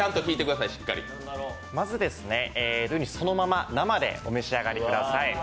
まずそのまま生でお召し上がりください